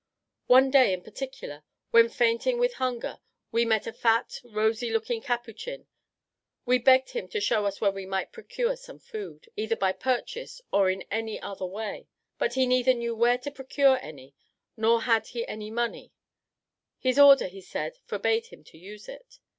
One day, in particular, when fainting with hunger, we met a fat, rosy looking capuchin: we begged him to show us where we might procure some food, either by purchase or in any other way; but he neither knew where to procure any, nor had he any money: his order, he said, forbade him to use it.